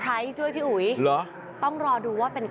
การสอบส่วนแล้วนะ